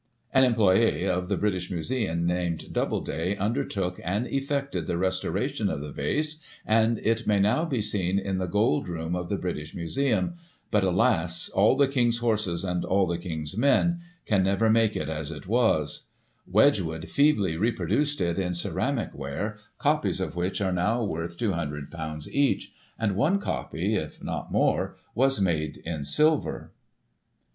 An employe of the British Museum, named Doubleday, undertook, and effected, the restoration of the Vase, and it may now be seen in the Gold Room of the British Museimi, but, alas !" all the King's horses, and all the King's men," Digiti ized by Google i84S] WILLIAM AUSTIN. 259 can never make it as it was. Wedgwood feebly reproduced it in ceramic ware, copies of which are now worth ;£^200 each, and one copy, if not more, was made in silver.